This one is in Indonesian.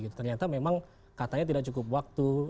ternyata memang katanya tidak cukup waktu